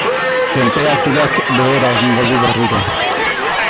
Tenperaturak behera egingo du berriro.